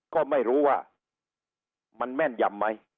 ก็ไม่รู้ว่ามันแม่นยำไหม